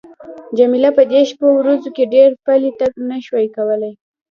جميله په دې شپو ورځو کې ډېر پلی تګ نه شوای کولای.